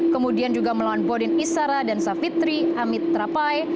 kemudian juga melawan bodin isara dan savitri amitrapai